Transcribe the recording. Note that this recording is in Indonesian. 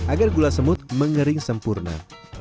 agar gula semut mengering sempurna